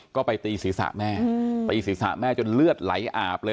ก็ไปตีศีรษะแม่ตีศีรษะแม่จนเลือดไหลอาบเลย